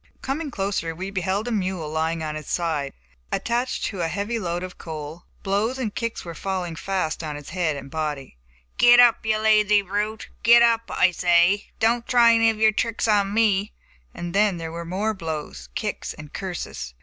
Coming closer we beheld a mule lying on his side, attached to a heavy load of coal. Blows and kicks were falling fast on his head and body. "Get up, you lazy brute! get up, I say! don't try any of yer tricks on me," and then there were more blows, kicks and curses.